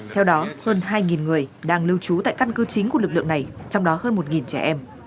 theo đó hơn hai người đang lưu trú tại căn cư chính của lực lượng này trong đó hơn một trẻ em